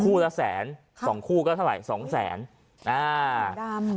คู่ละแสนครับสองคู่ก็เท่าไรสองแสนอ่าหงดำ